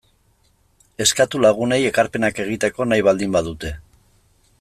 Eskatu lagunei ekarpenak egiteko nahi baldin badute.